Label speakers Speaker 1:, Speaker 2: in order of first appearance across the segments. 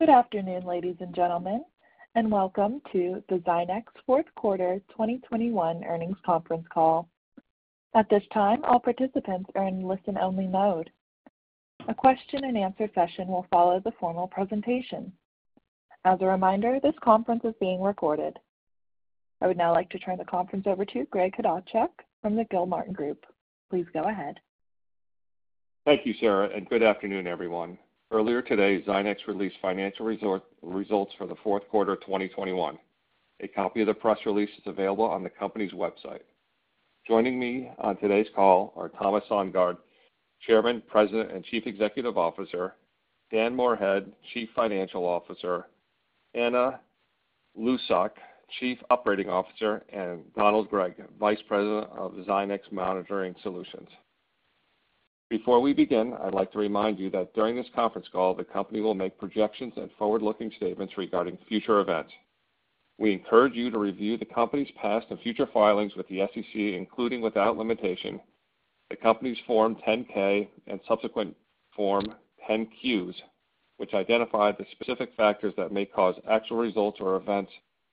Speaker 1: Good afternoon, ladies and gentlemen, and welcome to the Zynex Fourth Quarter 2021 Earnings Conference Call. At this time, all participants are in listen-only mode. A question-and-answer session will follow the formal presentation. As a reminder, this conference is being recorded. I would now like to turn the conference over to Greg Kaczmarek from the Gilmartin Group. Please go ahead.
Speaker 2: Thank you, Sarah, and good afternoon, everyone. Earlier today, Zynex released financial results for the fourth quarter of 2021. A copy of the press release is available on the company's website. Joining me on today's call are Thomas Sandgaard, Chairman, President, and Chief Executive Officer, Dan Moorhead, Chief Financial Officer, Anna Lucsok, Chief Operating Officer, and Donald Gregg, Vice President of Zynex Monitoring Solutions. Before we begin, I'd like to remind you that during this conference call, the company will make projections and forward-looking statements regarding future events. We encourage you to review the company's past and future filings with the SEC, including without limitation, the company's Form 10-K and subsequent Form 10-Qs, which identify the specific factors that may cause actual results or events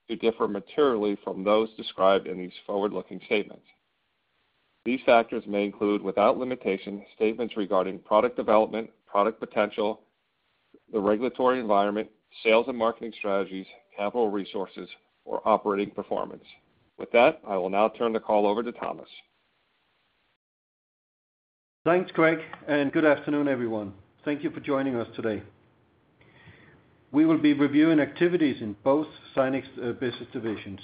Speaker 2: to differ materially from those described in these forward-looking statements. These factors may include, without limitation, statements regarding product development, product potential, the regulatory environment, sales and marketing strategies, capital resources, or operating performance. With that, I will now turn the call over to Thomas.
Speaker 3: Thanks, Greg, and good afternoon, everyone. Thank you for joining us today. We will be reviewing activities in both Zynex business divisions.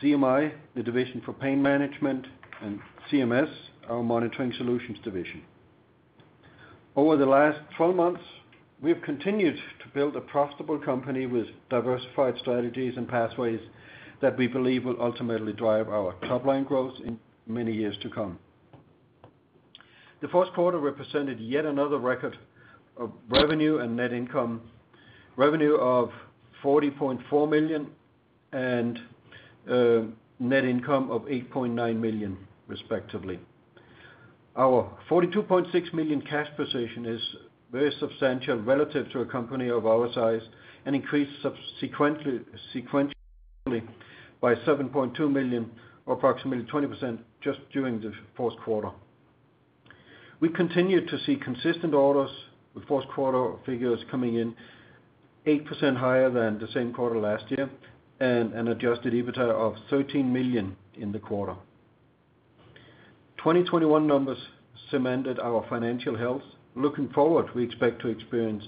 Speaker 3: ZMI, the division for pain management, and ZMS, our monitoring solutions division. Over the last 12 months, we have continued to build a profitable company with diversified strategies and pathways that we believe will ultimately drive our top-line growth in many years to come. The first quarter represented yet another record of revenue and net income. Revenue of $40.4 million and net income of $8.9 million, respectively. Our $42.6 million cash position is very substantial relative to a company of our size and increased subsequently by $7.2 million or approximately 20% just during the first quarter. We continue to see consistent orders with first quarter figures coming in 8% higher than the same quarter last year and an adjusted EBITDA of $13 million in the quarter. 2021 numbers cemented our financial health. Looking forward, we expect to experience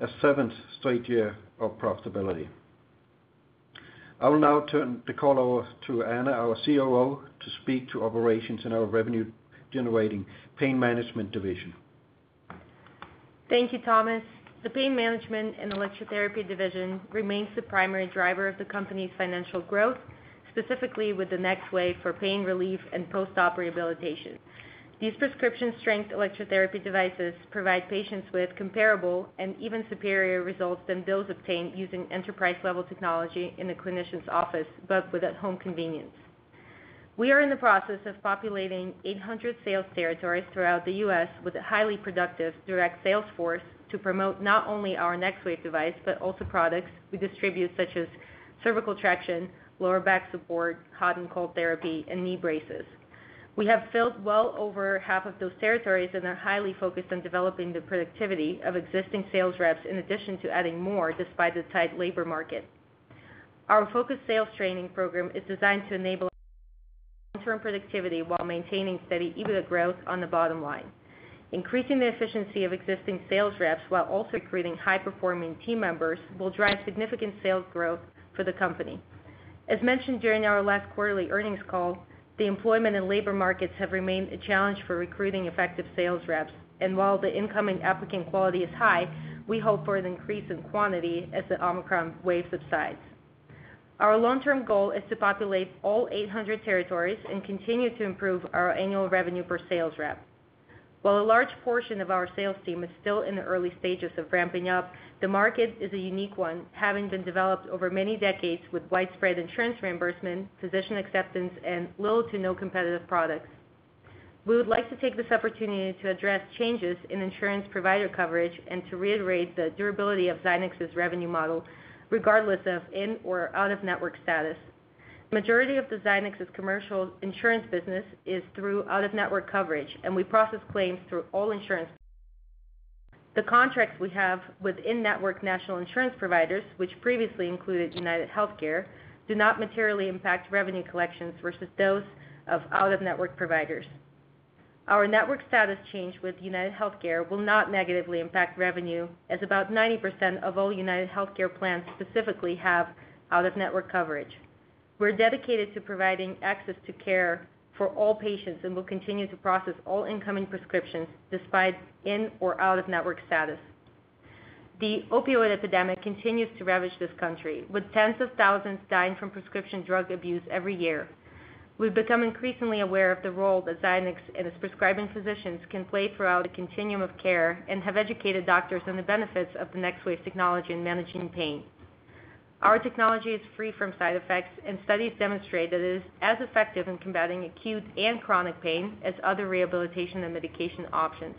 Speaker 3: a seventh straight year of profitability. I will now turn the call over to Anna, our COO, to speak to operations in our revenue-generating pain management division.
Speaker 4: Thank you, Thomas. The pain management and electrotherapy division remains the primary driver of the company's financial growth, specifically with the NexWave for pain relief and post-op rehabilitation. These prescription-strength electrotherapy devices provide patients with comparable and even superior results than those obtained using enterprise-level technology in a clinician's office, but with at-home convenience. We are in the process of populating 800 sales territories throughout the U.S. with a highly productive direct sales force to promote not only our NexWave device, but also products we distribute, such as cervical traction, lower back support, hot and cold therapy, and knee braces. We have filled well over half of those territories and are highly focused on developing the productivity of existing sales reps in addition to adding more despite the tight labor market. Our focused sales training program is designed to enable long-term productivity while maintaining steady EBITDA growth on the bottom line. Increasing the efficiency of existing sales reps while also recruiting high-performing team members will drive significant sales growth for the company. As mentioned during our last quarterly earnings call, the employment and labor markets have remained a challenge for recruiting effective sales reps, and while the incoming applicant quality is high, we hope for an increase in quantity as the Omicron wave subsides. Our long-term goal is to populate all 800 territories and continue to improve our annual revenue per sales rep. While a large portion of our sales team is still in the early stages of ramping up, the market is a unique one, having been developed over many decades with widespread insurance reimbursement, physician acceptance, and little to no competitive products. We would like to take this opportunity to address changes in insurance provider coverage and to reiterate the durability of Zynex's revenue model, regardless of in or out-of-network status. Majority of the Zynex's commercial insurance business is through out-of-network coverage, and we process claims through all insurance. The contracts we have with in-network national insurance providers, which previously included UnitedHealthcare, do not materially impact revenue collections versus those of out-of-network providers. Our network status change with UnitedHealthcare will not negatively impact revenue, as about 90% of all UnitedHealthcare plans specifically have out-of-network coverage. We're dedicated to providing access to care for all patients and will continue to process all incoming prescriptions despite in or out-of-network status. The opioid epidemic continues to ravage this country, with tens of thousands dying from prescription drug abuse every year. We've become increasingly aware of the role that Zynex and its prescribing physicians can play throughout a continuum of care and have educated doctors on the benefits of the NexWave technology in managing pain. Our technology is free from side effects, and studies demonstrate that it is as effective in combating acute and chronic pain as other rehabilitation and medication options.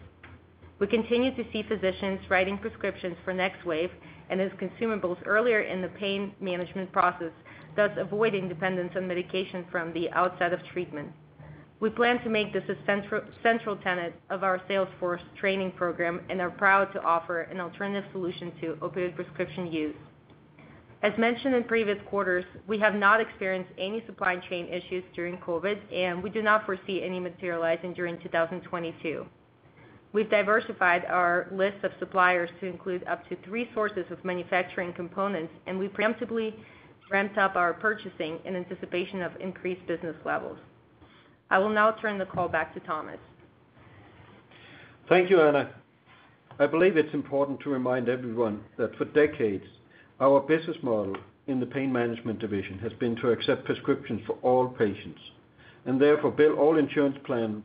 Speaker 4: We continue to see physicians writing prescriptions for NexWave and its consumables earlier in the pain management process, thus avoiding dependence on medication from the outset of treatment. We plan to make this a central tenet of our sales force training program and are proud to offer an alternative solution to opioid prescription use. As mentioned in previous quarters, we have not experienced any supply chain issues during COVID, and we do not foresee any materializing during 2022. We've diversified our list of suppliers to include up to three sources of manufacturing components, and we preemptively ramped up our purchasing in anticipation of increased business levels. I will now turn the call back to Thomas.
Speaker 3: Thank you, Anna. I believe it's important to remind everyone that for decades, our business model in the pain management division has been to accept prescriptions for all patients, and therefore bill all insurance plans,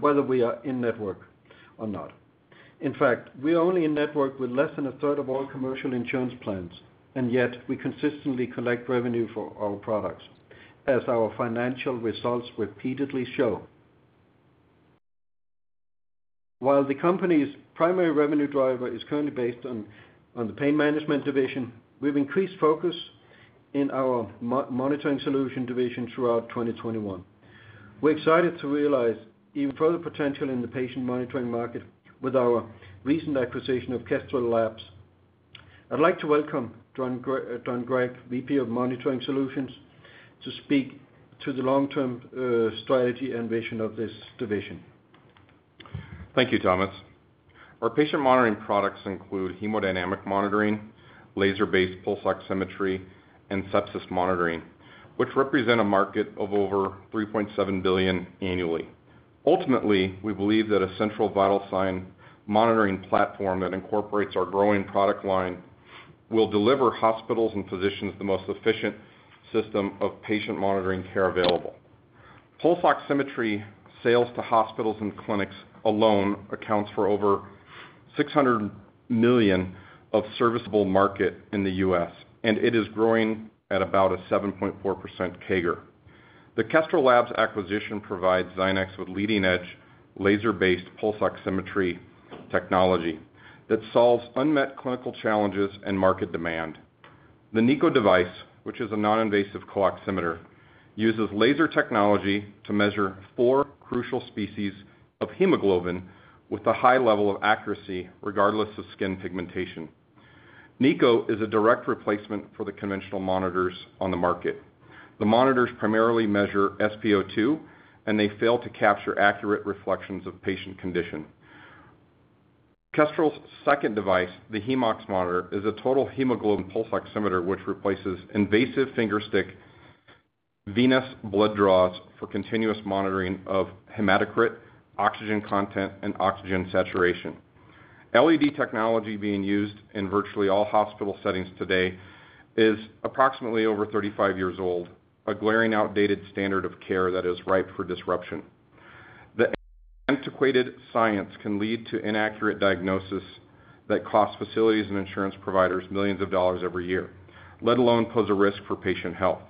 Speaker 3: whether we are in-network or not. In fact, we are only in-network with less than a third of all commercial insurance plans, and yet we consistently collect revenue for our products as our financial results repeatedly show. While the company's primary revenue driver is currently based on the pain management division, we've increased focus in our Monitoring Solutions division throughout 2021. We're excited to realize even further potential in the patient monitoring market with our recent acquisition of Kestrel Labs. I'd like to welcome Don Gregg, VP of Monitoring Solutions, to speak to the long-term strategy and vision of this division.
Speaker 5: Thank you, Thomas. Our patient monitoring products include hemodynamic monitoring, laser-based pulse oximetry, and sepsis monitoring, which represent a market of over $3.7 billion annually. Ultimately, we believe that a central vital sign monitoring platform that incorporates our growing product line will deliver hospitals and physicians the most efficient system of patient monitoring care available. Pulse oximetry sales to hospitals and clinics alone accounts for over $600 million of serviceable market in the U.S., and it is growing at about a 7.4% CAGR. The Kestrel Labs acquisition provides Zynex with leading-edge laser-based pulse oximetry technology that solves unmet clinical challenges and market demand. The NiCO device, which is a noninvasive CO-oximeter, uses laser technology to measure four crucial species of hemoglobin with a high level of accuracy regardless of skin pigmentation. NiCO is a direct replacement for the conventional monitors on the market. The monitors primarily measure SpO2, and they fail to capture accurate reflections of patient condition. Kestrel's second device, the HemeOx monitor, is a total hemoglobin pulse oximeter which replaces invasive fingerstick venous blood draws for continuous monitoring of hematocrit, oxygen content, and oxygen saturation. LED technology being used in virtually all hospital settings today is approximately over 35 years old, a glaring, outdated standard of care that is ripe for disruption. The antiquated science can lead to inaccurate diagnosis that cost facilities and insurance providers millions of dollars every year, let alone pose a risk for patient health.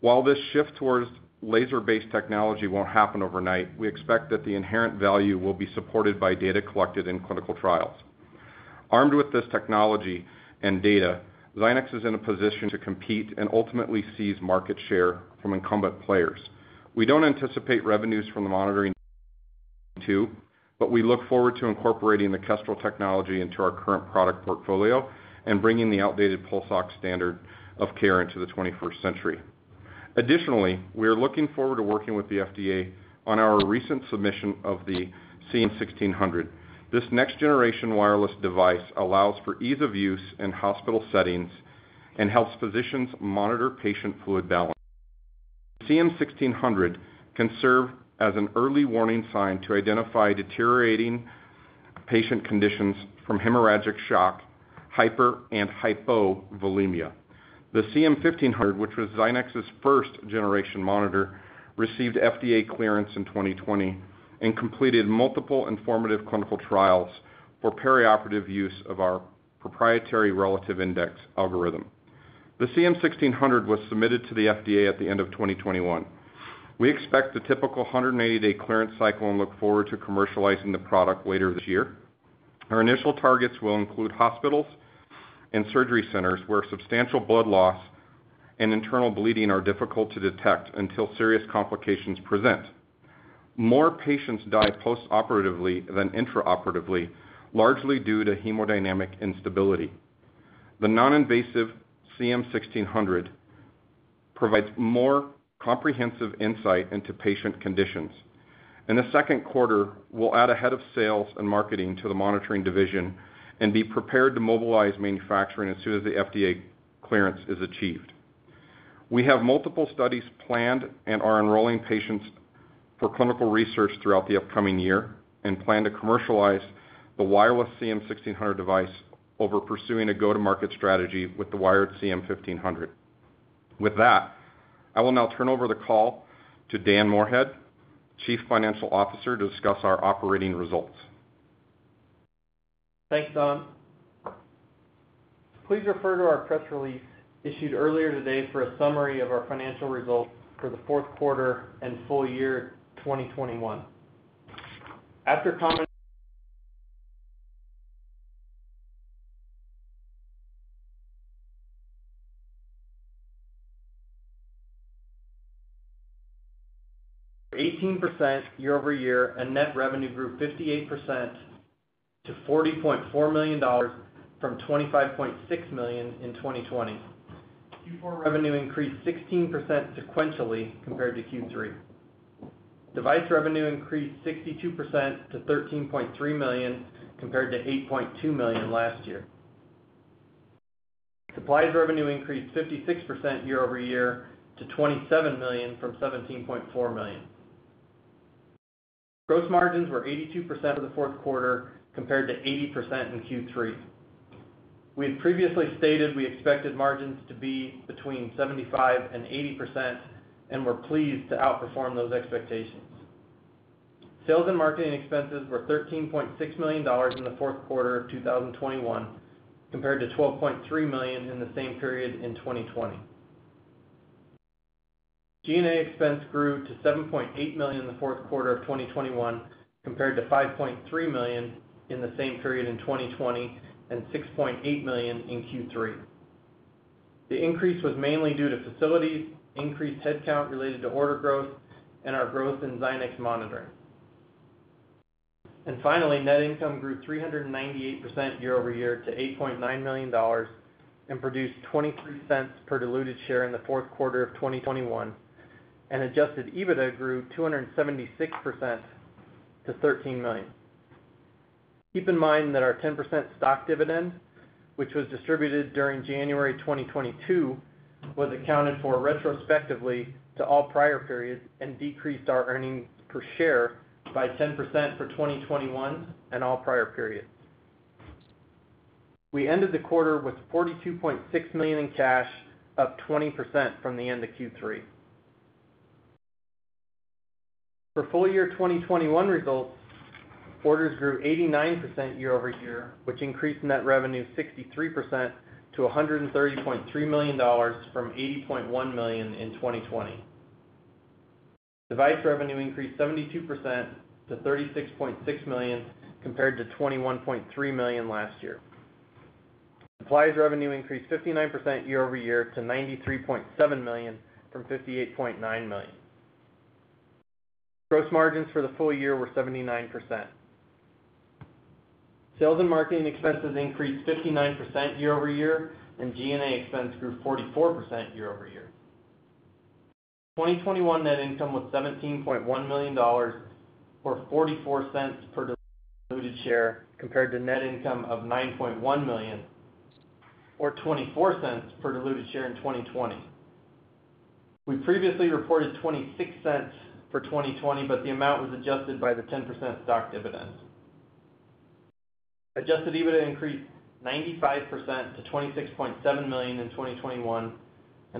Speaker 5: While this shift towards laser-based technology won't happen overnight, we expect that the inherent value will be supported by data collected in clinical trials. Armed with this technology and data, Zynex is in a position to compete and ultimately seize market share from incumbent players. We don't anticipate revenues from the monitoring too, but we look forward to incorporating the Kestrel technology into our current product portfolio and bringing the outdated pulse ox standard of care into the 21st century. Additionally, we are looking forward to working with the FDA on our recent submission of the CM 1600. This next-generation wireless device allows for ease of use in hospital settings and helps physicians monitor patient fluid balance. The CM 1600 can serve as an early warning sign to identify deteriorating patient conditions from hemorrhagic shock, hypervolemia and hypovolemia. The CM 1500, which was Zynex's first generation monitor, received FDA clearance in 2020 and completed multiple informative clinical trials for perioperative use of our proprietary Relative Index algorithm. The CM 1600 was submitted to the FDA at the end of 2021. We expect the typical 180-day clearance cycle and look forward to commercializing the product later this year. Our initial targets will include hospitals and surgery centers where substantial blood loss and internal bleeding are difficult to detect until serious complications present. More patients die postoperatively than intraoperatively, largely due to hemodynamic instability. The noninvasive CM 1600 provides more comprehensive insight into patient conditions. In the second quarter, we'll add a head of sales and marketing to the monitoring division and be prepared to mobilize manufacturing as soon as the FDA clearance is achieved. We have multiple studies planned and are enrolling patients for clinical research throughout the upcoming year and plan to commercialize the wireless CM 1600 device versus pursuing a go-to-market strategy with the wired CM 1500. With that, I will now turn over the call to Dan Moorhead, Chief Financial Officer, to discuss our operating results.
Speaker 6: Thanks, Don. Please refer to our press release issued earlier today for a summary of our financial results for the fourth quarter and full year 2021. 18% year-over-year, and net revenue grew 58% to $40.4 million from $25.6 million in 2020. Q4 revenue increased 16% sequentially compared to Q3. Device revenue increased 62% to $13.3 million compared to $8.2 million last year. Supplies revenue increased 56% year-over-year to $27 million from $17.4 million. Gross margins were 82% for the fourth quarter compared to 80% in Q3. We had previously stated we expected margins to be between 75% and 80%, and we're pleased to outperform those expectations. Sales and marketing expenses were $13.6 million in the fourth quarter of 2021 compared to $12.3 million in the same period in 2020. G&A expense grew to $7.8 million in the fourth quarter of 2021 compared to $5.3 million in the same period in 2020 and $6.8 million in Q3. The increase was mainly due to facilities, increased headcount related to order growth, and our growth in Zynex Monitoring. Finally, net income grew 398% year-over-year to $8.9 million and produced $0.23 per diluted share in the fourth quarter of 2021, and adjusted EBITDA grew 276% to $13 million. Keep in mind that our 10% stock dividend, which was distributed during January 2022, was accounted for retrospectively to all prior periods and decreased our earnings per share by 10% for 2021 and all prior periods. We ended the quarter with $42.6 million in cash, up 20% from the end of Q3. For full year 2021 results, orders grew 89% year-over-year, which increased net revenue 63% to $130.3 million from $80.1 million in 2020. Device revenue increased 72% to $36.6 million compared to $21.3 million last year. Supplies revenue increased 59% year-over-year to $93.7 million from $58.9 million. Gross margins for the full year were 79%. Sales and marketing expenses increased 59% year-over-year, and G&A expense grew 44% year-over-year. 2021 net income was $17.1 million, or $0.44 per diluted share, compared to net income of $9.1 million or $0.24 per diluted share in 2020. We previously reported $0.26 for 2020, but the amount was adjusted by the 10% stock dividend. Adjusted EBITDA increased 95% to $26.7 million in 2021.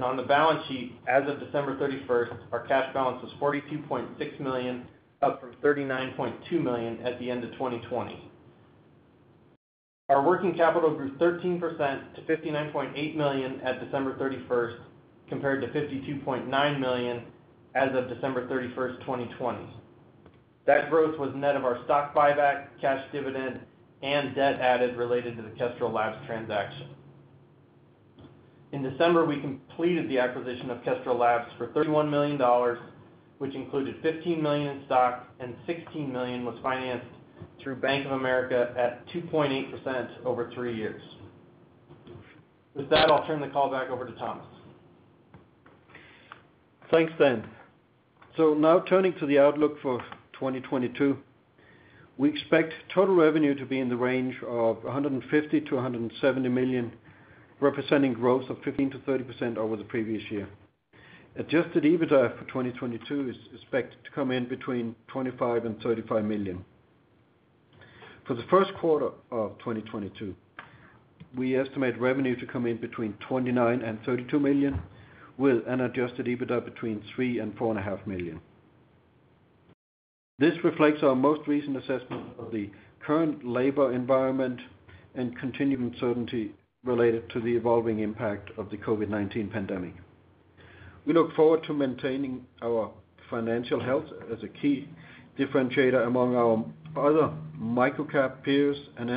Speaker 6: On the balance sheet, as of December 31, our cash balance was $42.6 million, up from $39.2 million at the end of 2020. Our working capital grew 13% to $59.8 million at December 31, compared to $52.9 million as of December 31, 2020. That growth was net of our stock buyback, cash dividend, and debt added related to the Kestrel Labs transaction. In December, we completed the acquisition of Kestrel Labs for $31 million, which included $15 million in stock, and $16 million was financed through Bank of America at 2.8% over three years. With that, I'll turn the call back over to Thomas.
Speaker 3: Thanks, Dan. Now turning to the outlook for 2022. We expect total revenue to be in the range of $150 to $170 million, representing growth of 15% to 30% over the previous year. Adjusted EBITDA for 2022 is expected to come in between $25 to $35 million. For the first quarter of 2022, we estimate revenue to come in between $29 and $32 million, with an adjusted EBITDA between $3 and $4.5 million. This reflects our most recent assessment of the current labor environment and continuing uncertainty related to the evolving impact of the COVID-19 pandemic. We look forward to maintaining our financial health as a key differentiator among our other microcap peers, and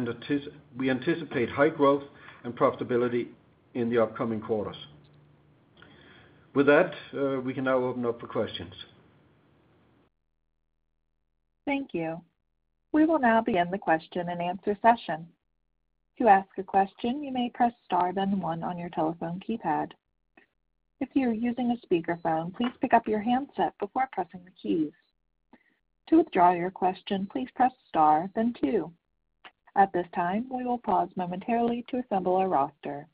Speaker 3: we anticipate high growth and profitability in the upcoming quarters. With that, we can now open up for questions.
Speaker 1: Thank you. We will now begin the question and answer session. To ask a question, you may press star, then one on your telephone keypad. If you are using a speakerphone, please pick up your handset before pressing the keys. To withdraw your question, please press star then two. At this time, we will pause momentarily to assemble our roster.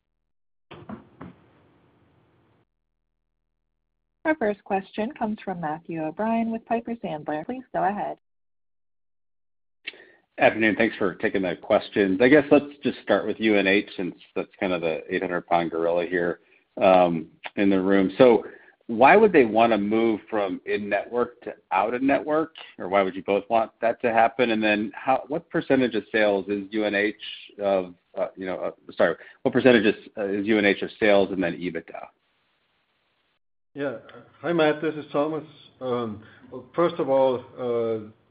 Speaker 1: Our first question comes from Matthew O'Brien with Piper Sandler. Please go ahead.
Speaker 7: Afternoon. Thanks for taking the questions. I guess let's just start with UNH since that's kind of the 800-pound gorilla here in the room. Why would they wanna move from in-network to out-of-network? Or why would you both want that to happen? What percentage of sales is UNH? What percentage is UNH of sales and then EBITDA?
Speaker 3: Yeah. Hi, Matt, this is Thomas. First of all,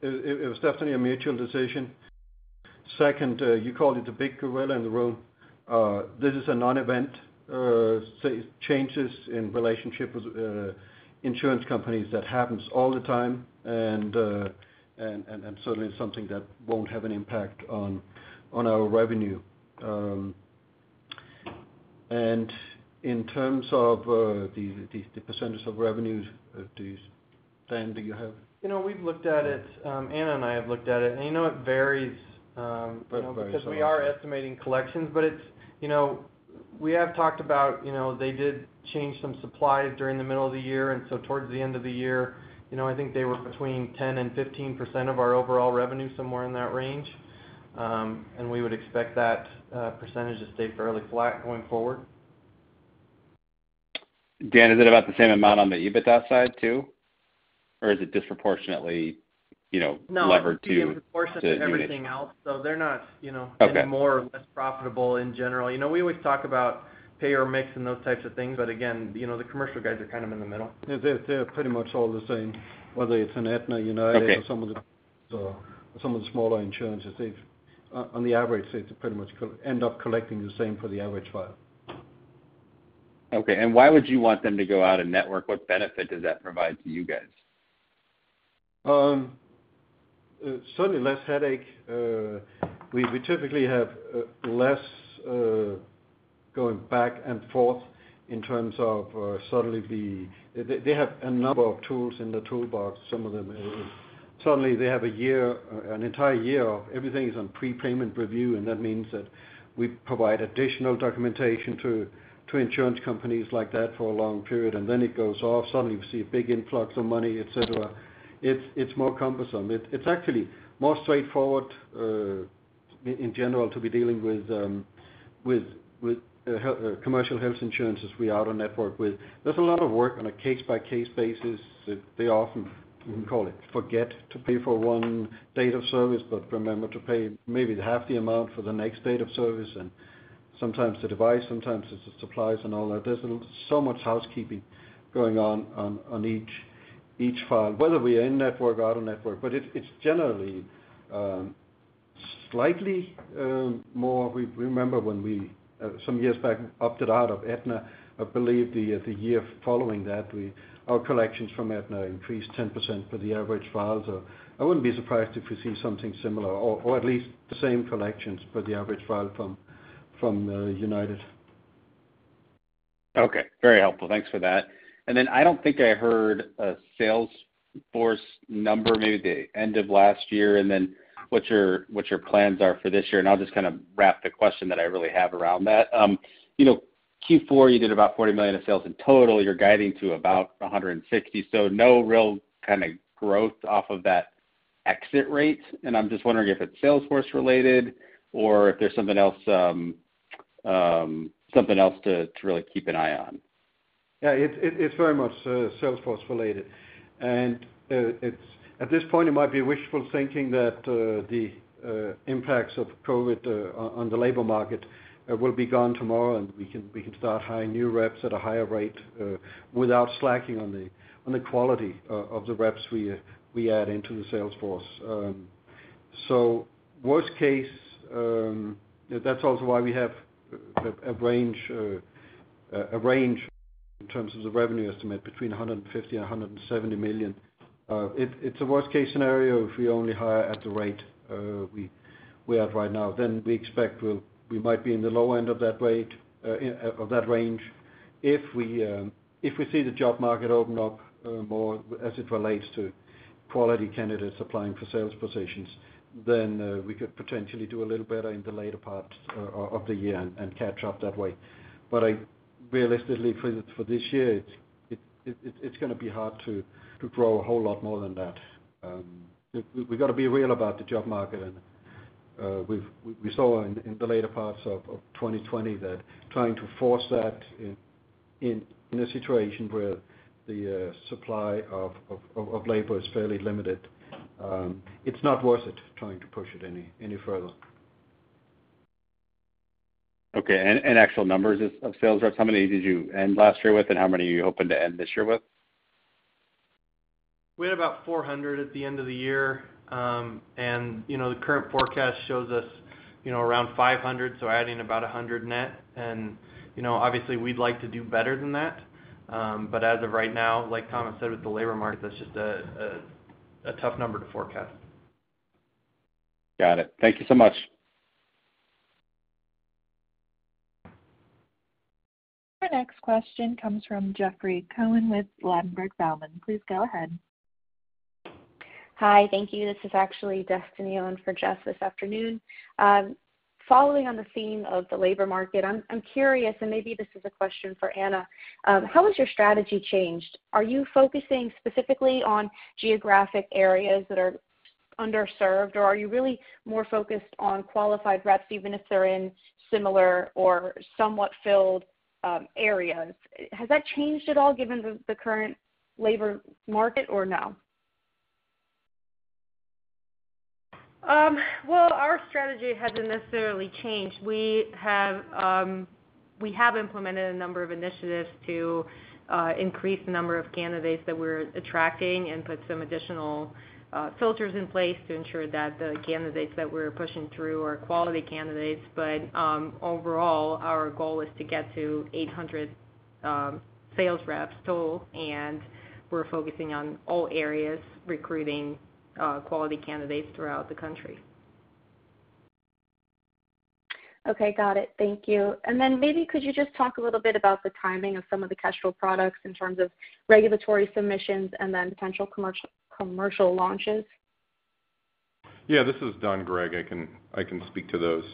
Speaker 3: it was definitely a mutual decision. Second, you called it a big gorilla in the room. This is a non-event, changes in relationship with insurance companies. That happens all the time and certainly something that won't have an impact on our revenue. And in terms of the percentage of revenues, Dan, do you have.
Speaker 6: You know, we've looked at it, Anna and I have looked at it, and you know, it varies, you know because we are estimating collections, but it's, you know. We have talked about, you know, they did change some supply during the middle of the year and so towards the end of the year, you know, I think they were between 10% and 15% of our overall revenue, somewhere in that range. We would expect that percentage to stay fairly flat going forward.
Speaker 7: Dan, is it about the same amount on the EBITDA side too? Or is it disproportionately, you know, levered to-
Speaker 6: No, it's proportionate to everything else. They're not, you know.
Speaker 7: Okay.
Speaker 6: Any more or less profitable in general. You know, we always talk about payer mix and those types of things, but again, you know, the commercial guys are kind of in the middle.
Speaker 3: They're pretty much all the same, whether it's an Aetna, United some of the smaller insurances. They've on the average, they pretty much end up collecting the same for the average file.
Speaker 7: Okay. Why would you want them to go out-of-network? What benefit does that provide to you guys?
Speaker 3: Certainly less headache. We typically have less going back and forth in terms of. They have a number of tools in the toolbox. Some of them suddenly have an entire year everything on prepayment review, and that means that we provide additional documentation to insurance companies like that for a long period, and then it goes off. Suddenly we see a big influx of money, et cetera. It's more cumbersome. It's actually more straightforward in general to be dealing with commercial health insurance as we out-of-network with. There's a lot of work on a case-by-case basis that they often, we call it, forget to pay for one date of service, but remember to pay maybe half the amount for the next date of service and sometimes the device, sometimes it's the supplies and all that. There's so much housekeeping going on each file, whether we're in-network, out-of-network. It's generally slightly more. We remember when we some years back opted out of Aetna. I believe the year following that, our collections from Aetna increased 10% for the average file. I wouldn't be surprised if we see something similar or at least the same collections for the average file from United.
Speaker 7: Okay. Very helpful. Thanks for that. Then I don't think I heard a sales force number, maybe the end of last year and then what your plans are for this year. I'll just kinda wrap the question that I really have around that. You know, Q4, you did about $40 million of sales in total. You're guiding to about $160 million. No real kinda growth off of that exit rate. I'm just wondering if it's sales force related or if there's something else, something else to really keep an eye on.
Speaker 3: Yeah, it's very much sales force related. At this point, it might be wishful thinking that the impacts of COVID on the labor market will be gone tomorrow, and we can start hiring new reps at a higher rate without slacking on the quality of the reps we add into the sales force. Worst case, that's also why we have a range in terms of the revenue estimate between $150-$170 million. It's a worst-case scenario if we only hire at the rate we have right now. We expect we might be in the low end of that range. If we see the job market open up more as it relates to quality candidates applying for sales positions, then we could potentially do a little better in the later part of the year and catch up that way. I realistically for this year, it's gonna be hard to grow a whole lot more than that. We gotta be real about the job market, and we saw in the later parts of 2020 that trying to force that in a situation where the supply of labor is fairly limited, it's not worth it trying to push it any further.
Speaker 7: Okay. Actual numbers of sales reps, how many did you end last year with, and how many are you hoping to end this year with?
Speaker 6: We had about 400 at the end of the year. The current forecast shows us, you know, around 500, so adding about 100 net. You know, obviously, we'd like to do better than that. As of right now, like Thomas said, with the labor market, that's just a tough number to forecast.
Speaker 7: Got it. Thank you so much.
Speaker 1: Our next question comes from Jeffrey Cohen with Ladenburg Thalmann. Please go ahead.
Speaker 8: Hi. Thank you. This is actually Destiny on for Jeff this afternoon. Following on the theme of the labor market, I'm curious, and maybe this is a question for Anna, how has your strategy changed? Are you focusing specifically on geographic areas that are underserved, or are you really more focused on qualified reps, even if they're in similar or somewhat filled areas? Has that changed at all given the current labor market or no?
Speaker 4: Well, our strategy hasn't necessarily changed. We have implemented a number of initiatives to increase the number of candidates that we're attracting and put some additional filters in place to ensure that the candidates that we're pushing through are quality candidates. Overall, our goal is to get to 800 sales reps total, and we're focusing on all areas recruiting quality candidates throughout the country.
Speaker 9: Okay. Got it. Thank you. Maybe could you just talk a little bit about the timing of some of the Kestrel products in terms of regulatory submissions and then potential commercial launches?
Speaker 5: Yeah. This is Donald Gregg. I can speak to those.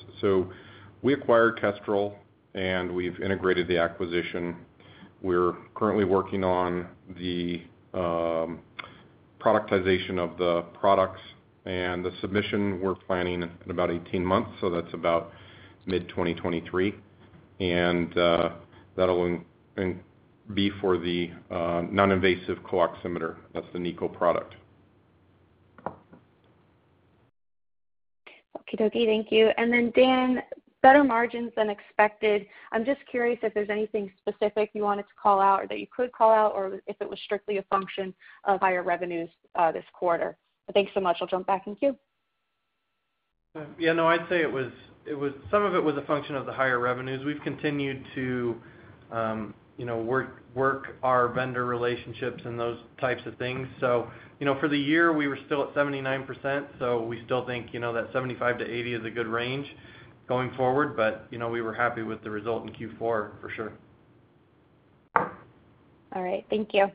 Speaker 5: We acquired Kestrel, and we've integrated the acquisition. We're currently working on the productization of the products and the submission we're planning in about 18 months, so that's about mid-2023. That'll be for the non-invasive CO-oximeter. That's the NiCO product.
Speaker 9: Okey-dokey. Thank you. Dan, better margins than expected. I'm just curious if there's anything specific you wanted to call out or that you could call out or if it was strictly a function of higher revenues, this quarter. Thanks so much. I'll jump back in queue.
Speaker 6: Yeah, no, I'd say some of it was a function of the higher revenues. We've continued to, you know, work our vendor relationships and those types of things. You know, for the year, we were still at 79%, so we still think, you know, that 75% to 80% is a good range going forward. You know, we were happy with the result in Q4 for sure.
Speaker 9: All right. Thank you.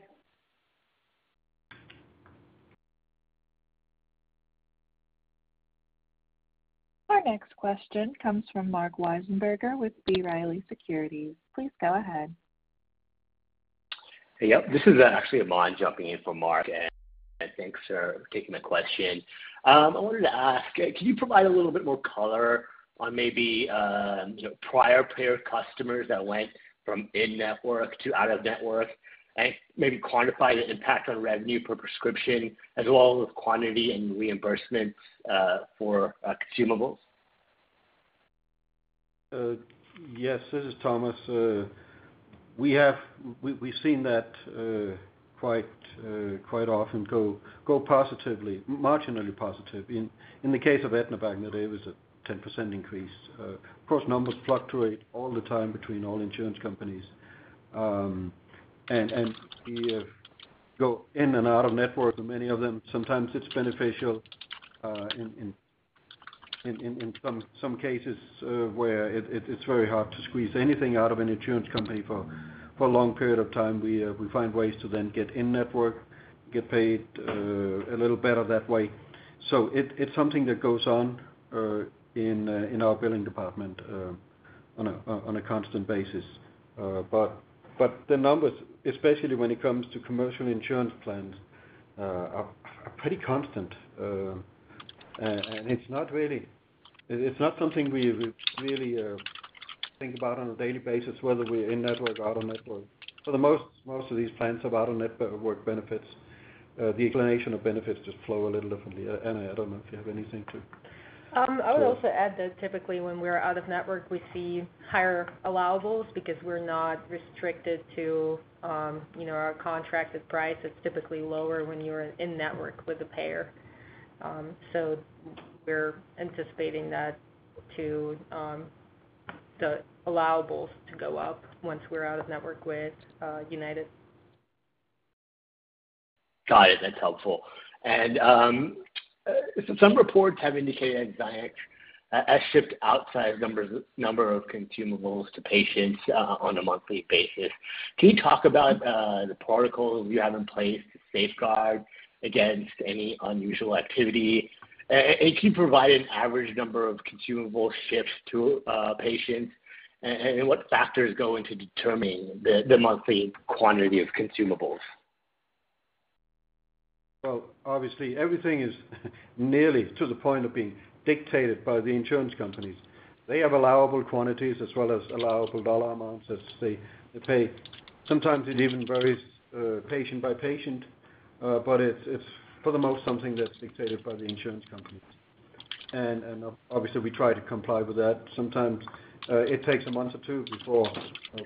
Speaker 1: Our next question comes from Mark Weisenberger with B. Riley Securities. Please go ahead.
Speaker 10: Yep. This is actually Aman jumping in for Mark. Thanks for taking the question. I wanted to ask, can you provide a little bit more color on maybe, you know, prior payer customers that went from in-network to out-of-network and maybe quantify the impact on revenue per prescription as well as quantity and reimbursements for consumables?
Speaker 3: Yes, this is Thomas. We've seen that quite often go positively, marginally positive. In the case of Aetna's, it was a 10% increase. Of course, numbers fluctuate all the time between all insurance companies, and we go in and out of network. Many of them, sometimes it's beneficial in some cases where it's very hard to squeeze anything out of an insurance company for a long period of time. We find ways to then get in-network, get paid a little better that way. It's something that goes on in our billing department on a constant basis. The numbers, especially when it comes to commercial insurance plans, are pretty constant. It's not something we really think about on a daily basis, whether we're in-network, out-of-network. For the most of these plans have out-of-network benefits. The explanation of benefits just flow a little differently. Anna, I don't know if you have anything to
Speaker 4: I would also add that typically when we're out-of-network, we see higher allowables because we're not restricted to, you know, our contracted price. It's typically lower when you're in-network with a payer. We're anticipating the allowables to go up once we're out-of-network with United.
Speaker 11: Got it. That's helpful. Some reports have indicated Zynex has shipped outsized numbers of consumables to patients on a monthly basis. Can you talk about the protocols you have in place to safeguard against any unusual activity? Can you provide an average number of consumables shipped to patients? What factors go into determining the monthly quantity of consumables?
Speaker 3: Well, obviously everything is nearly to the point of being dictated by the insurance companies. They have allowable quantities as well as allowable dollar amounts as they pay. Sometimes it even varies patient by patient, but it's for the most part dictated by the insurance company. Obviously we try to comply with that. Sometimes it takes a month or two before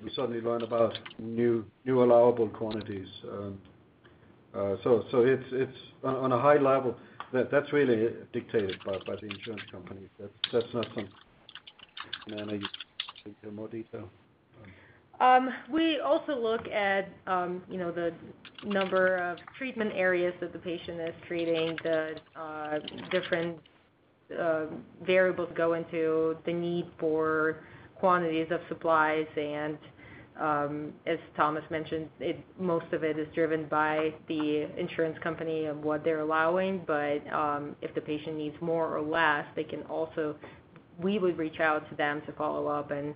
Speaker 3: we suddenly learn about new allowable quantities. It's on a high level that's really dictated by the insurance companies. That's not something. Anna, you can give more detail.
Speaker 4: We also look at, you know, the number of treatment areas that the patient is treating. The different variables go into the need for quantities of supplies, and, as Thomas mentioned, most of it is driven by the insurance company of what they're allowing. If the patient needs more or less, we would reach out to them to follow up and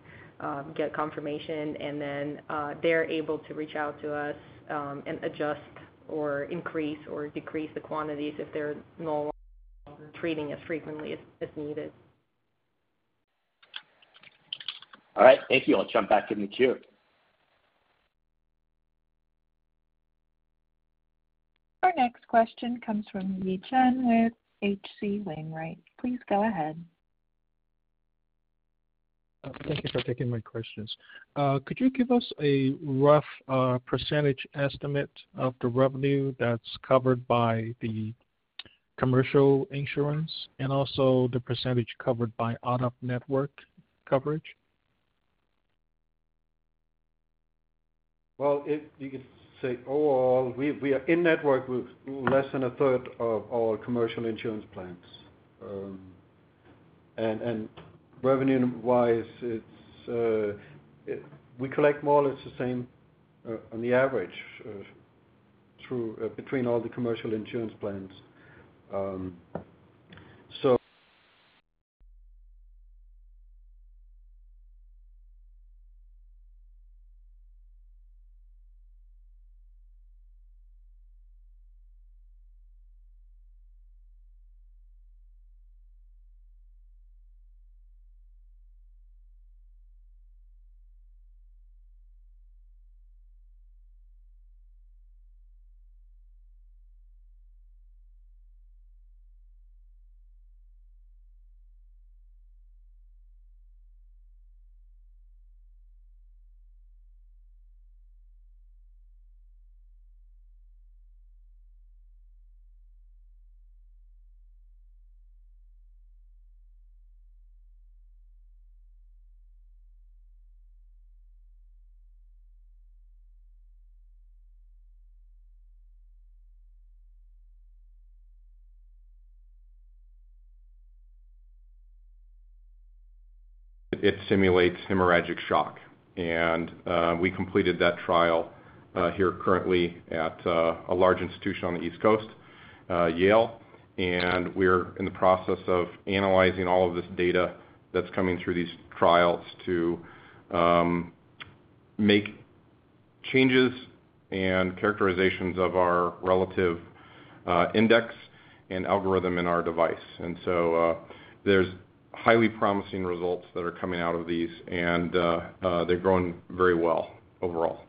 Speaker 4: get confirmation, and then, they're able to reach out to us, and adjust or increase or decrease the quantities if they're no longer treating as frequently as needed.
Speaker 11: All right. Thank you. I'll jump back in the queue.
Speaker 1: Our next question comes from Yi Chen with H.C. Wainwright. Please go ahead.
Speaker 12: Thank you for taking my questions. Could you give us a rough percentage estimate of the revenue that's covered by the commercial insurance and also the percentage covered by out-of-network coverage?
Speaker 3: Well, you could say overall, we are in-network with less than 1/3 of all commercial insurance plans. Revenue-wise, we collect more or less the same on the average between all the commercial insurance plans.
Speaker 5: It simulates hemorrhagic shock. We completed that trial currently at a large institution on the East Coast, Yale. We're in the process of analyzing all of this data that's coming through these trials to make changes and characterizations of our Relative Index and algorithm in our device. There's highly promising results that are coming out of these, and they're growing very well overall.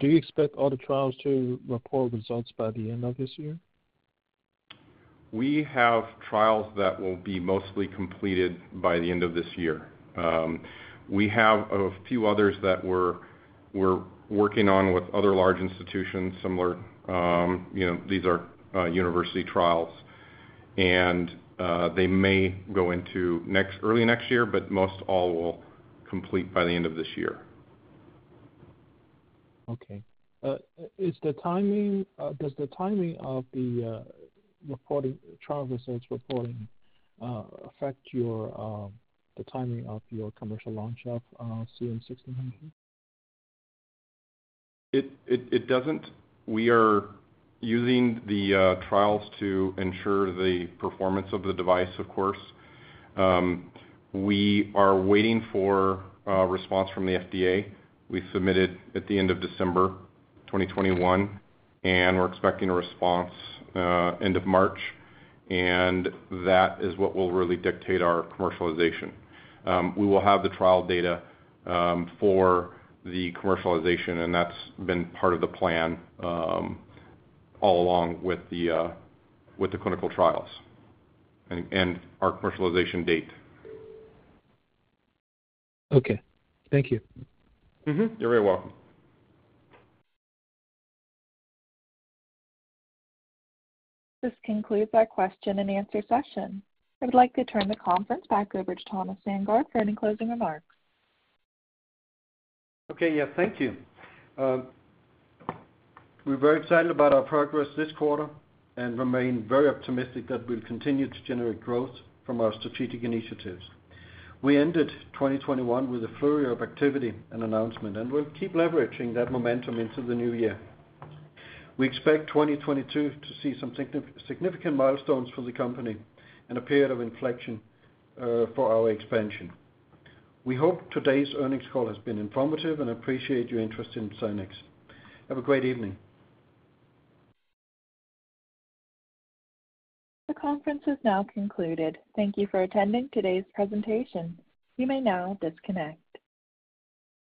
Speaker 12: Do you expect all the trials to report results by the end of this year?
Speaker 5: We have trials that will be mostly completed by the end of this year. We have a few others that we're working on with other large institutions, similar, you know, these are university trials. They may go into early next year, but most all will complete by the end of this year.
Speaker 12: Does the timing of the trial results reporting affect the timing of your commercial launch of CM-1600?
Speaker 5: It doesn't. We are using the trials to ensure the performance of the device, of course. We are waiting for response from the FDA. We submitted at the end of December 2021, and we're expecting a response end of March. That is what will really dictate our commercialization. We will have the trial data for the commercialization, and that's been part of the plan all along with the clinical trials and our commercialization date.
Speaker 12: Okay. Thank you.
Speaker 5: Mm-hmm. You're very welcome.
Speaker 1: This concludes our question and answer session. I'd like to turn the conference back over to Thomas Sandgaard for any closing remarks.
Speaker 3: Okay. Yeah. Thank you. We're very excited about our progress this quarter and remain very optimistic that we'll continue to generate growth from our strategic initiatives. We ended 2021 with a flurry of activity and announcement, and we'll keep leveraging that momentum into the new year. We expect 2022 to see some significant milestones for the company and a period of inflection for our expansion. We hope today's earnings call has been informative and appreciate your interest in Zynex. Have a great evening.
Speaker 1: The conference has now concluded. Thank you for attending today's presentation. You may now disconnect.